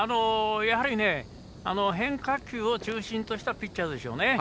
やはり変化球を中心としたピッチャーでしょうね。